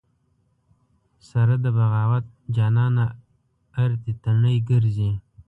سره د بغاوت جانانه ارتې تڼۍ ګرځې